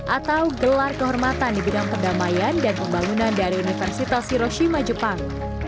atau gelar kehormatan di bidang perdamaian dan pembangunan dari universitas hiroshima jepang